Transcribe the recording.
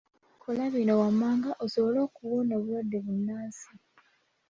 Kola bino wammanga osobole okuwona obulwadde bunnansi.